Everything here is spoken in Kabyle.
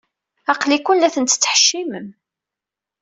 Aql-iken la ten-tettḥeccimem.